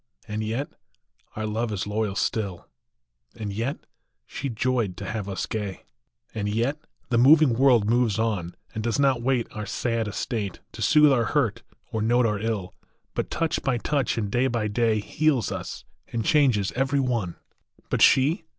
And yet our love is loyal still ; And yet she joyed to have us gay ; And yet the moving world moves on, And does not wait our sad estate, To soothe our hurt or note our ill, But, touch by touch, and day by day, Heals us, and changes every one. But she